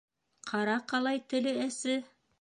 Ҡара, ҡалай теле әсе!